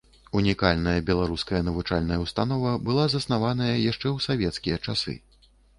Унікальная беларуская навучальная ўстанова была заснаваная яшчэ ў савецкія часы.